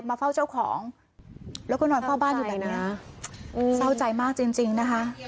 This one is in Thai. มาเฝ้าเจ้าของแล้วก็นอนเฝ้าบ้านอยู่แบบเนี้ยโอ้เศร้าใจมากจริงจริงนะคะ